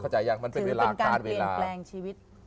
หิวามันเป็นเวลาถ้าระแกลนชีวิต